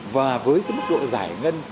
và với cái mức độ giải ngân